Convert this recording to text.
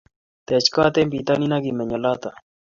Tech kot eng bitonin akimeny oloto